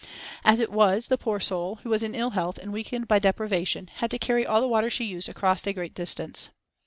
As it was the poor soul, who was in ill health and weakened by deprivation, had to carry all the water she used across a great distance.